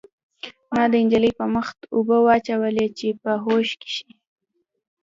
ما د نجلۍ په مخ اوبه واچولې چې په هوښ شي